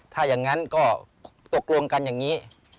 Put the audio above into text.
ถ้าอย่างนั้นก็ตกลงกันอย่างนี้